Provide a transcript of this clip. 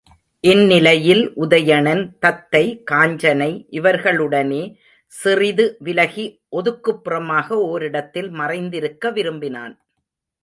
இந் நிலையில் உதயணன், தத்தை, காஞ்சனை இவர்களுடனே சிறிது விலகி ஒதுக்குப் புறமாக ஓரிடத்தில் மறைந்திருக்க விரும்பினான்.